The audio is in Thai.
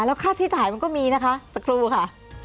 แล้วค่าใช้จ่ายมันก็มีนะคะสักครู่ค่ะ